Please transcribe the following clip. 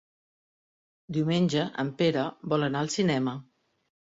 Diumenge en Pere vol anar al cinema.